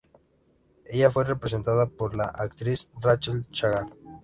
Ella fue representada por la actriz Rachel Chagall.